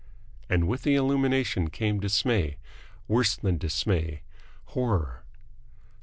And with the illumination came dismay. Worse than dismay. Horror.